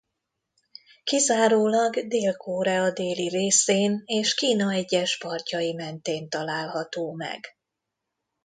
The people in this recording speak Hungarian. Kizárólag Dél-Korea déli részén és Kína egyes partjai mentén található meg.